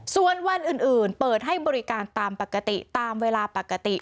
ส่วนวันอื่นเปิดให้บริการตามปกติตามเวลาปกติ